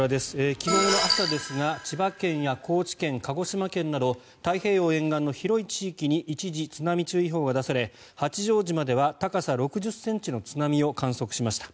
昨日の朝ですが千葉県や高知県、鹿児島県など太平洋沿岸の広い地域に一時、津波注意報が出され八丈島では高さ６０ｃｍの津波を観測しました。